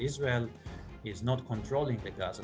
israel tidak mengontrol jalan gaza